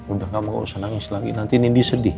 udah kamu gak usah nangis lagi nanti nindi sedih